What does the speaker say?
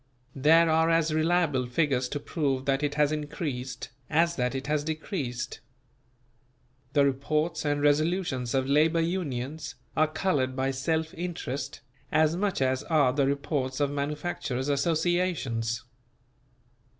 There are as reliable figures to prove that it has increased, as that it has decreased. The reports and resolutions of Labour Unions are coloured by self interest as much as are the reports of Manufacturers' Associations.